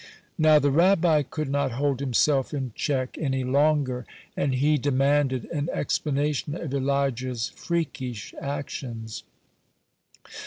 Now the Rabbi could not hold himself in check any longer, and he demanded an explanation of Elijah's freakish actions.